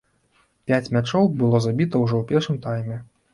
Пяць мячоў было забіта ўжо ў першым тайме.